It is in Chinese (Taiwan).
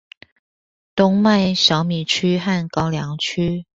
冬麥小米區和高梁區